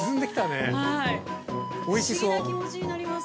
不思議な気持ちになります。